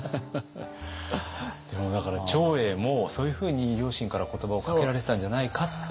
でもだから長英もそういうふうに両親から言葉をかけられてたんじゃないかっていう。